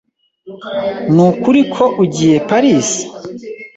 Nukuri ko ugiye i Paris?